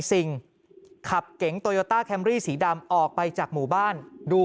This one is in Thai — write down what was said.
ซิงขับเก๋งโตโยต้าแคมรี่สีดำออกไปจากหมู่บ้านดู